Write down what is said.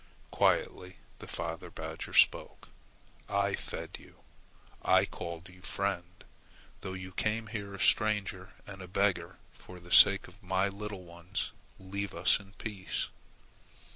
Quietly the father badger spoke: "I fed you. I called you friend, though you came here a stranger and a beggar. For the sake of my little ones leave us in peace."